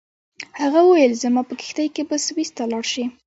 هغه وویل زما په کښتۍ کې به سویس ته لاړ شې.